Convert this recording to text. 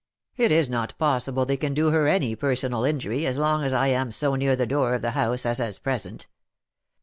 It is not possible they can do her any personal injury as long as I am so near the door of the house as at present.